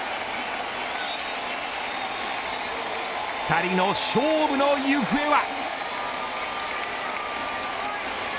２人の勝負の行方は。